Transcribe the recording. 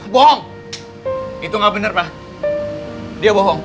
bohong itu nggak benar pak dia bohong